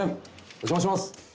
お邪魔します」